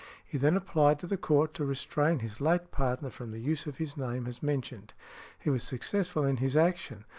He then applied to the Court to restrain his late partner from the use of his name as mentioned. He was successful in his action.